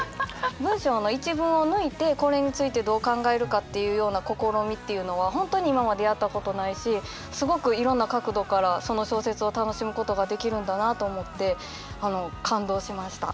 文章の一文を抜いてこれについてどう考えるかっていうような試みっていうのは本当に今までやったことないしすごくいろんな角度からその小説を楽しむことができるんだなあと思って感動しました。